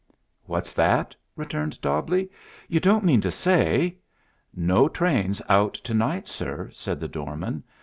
"What's that?" returned Dobbleigh. "You don't mean to say " "No trains out to night, sir," said the doorman.